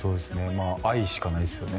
まあ愛しかないっすよね